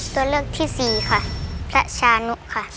ตัวเลือกที่สี่ค่ะพระชานุค่ะ